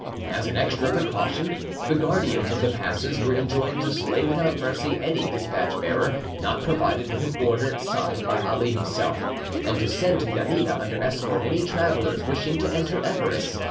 As an extra precaution, the guardians of the passes were enjoined to slay without mercy any despatch bearer not provided with an order signed by Ali himself; and to send to Janina under escort any travellers wishing to enter Epirus.